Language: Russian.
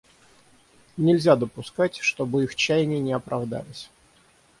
Нельзя допускать, чтобы их чаяния не оправдались.